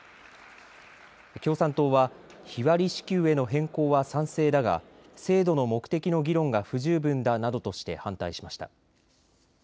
共産党は日割り支給への変更は賛成だが制度の目的の議論が不十分だなどとして反対しました。